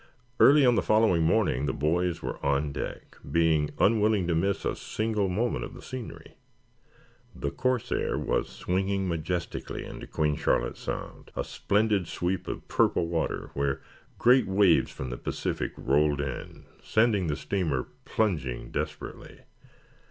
Early on the following morning the boys were on deck, being unwilling to miss a single moment of the scenery. The "Corsair" was swinging majestically into Queen Charlotte Sound, a splendid sweep of purple water, where great waves from the Pacific rolled in, sending the steamer plunging desperately.